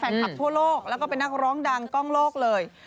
ขับทั่วโลกแล้วก็เป็นนักร้องดังกล้องโลกเลย